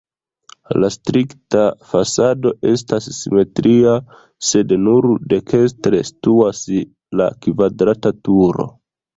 La strikta fasado estas simetria, sed nur dekstre situas la kvadrata turo.